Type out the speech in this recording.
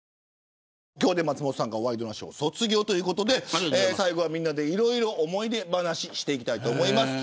今日で松本さんがワイドナショー卒業ということで最後は、みんなでいろいろ思い出話していきたいと思います。